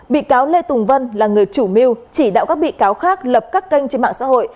bị cáo lê tùng vân là người chủ mưu chỉ đạo các bị cáo khác lập các kênh trên mạng xã hội